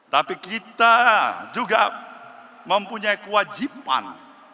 tapi kita juga mempunyai kewajiban